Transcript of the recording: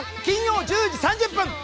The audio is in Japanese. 金曜１０時３０分。